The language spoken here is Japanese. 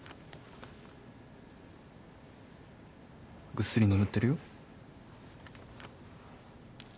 ぐっすり眠ってるよ。